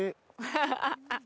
ハハハ。